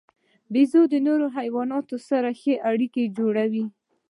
بیزو د نورو حیواناتو سره ښې اړیکې جوړوي.